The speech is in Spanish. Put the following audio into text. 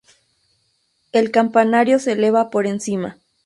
El campanario se eleva por encima.